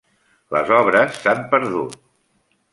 Les obres s'han perdut.